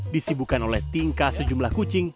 disibukan oleh tingkah sejumlah kucing